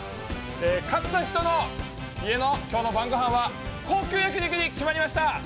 勝った人の家の今日の晩ごはんは高級焼き肉に決まりました！